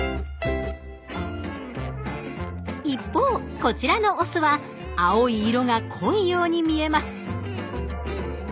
一方こちらのオスは青い色が濃いように見えます